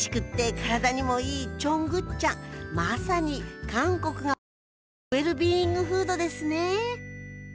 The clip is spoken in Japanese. まさに韓国が誇るウエルビーイングフードですね